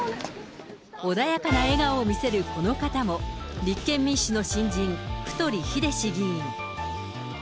穏やかな笑顔を見せるこの方も、立憲民主の新人、太栄志議員。